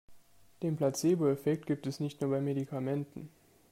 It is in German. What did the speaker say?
Den Placeboeffekt gibt es nicht nur bei Medikamenten.